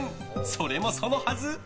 それもそのはず。